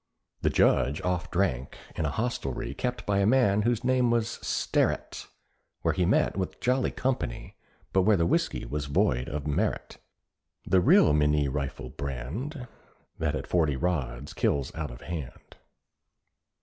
The Judge oft drank in a hostelrie Kept by a man whose name was Sterret, Where he met with jolly company, But where the whisky was void of merit. The real Minié rifle brand, That at forty rods kills out of hand.